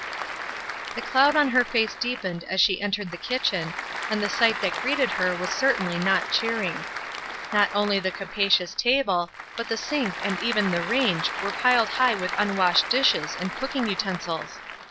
The cloud on her face deepened as she entered the kitchen, and the sight that greeted her was certainly not cheering. Not only the capacious table, but the sink and even the range were piled high with unwashed dishes and cooking utensils.